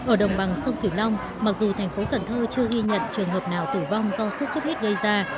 ở đồng bằng sông kiểu long mặc dù thành phố cần thơ chưa ghi nhận trường hợp nào tử vong do sốt xuất huyết gây ra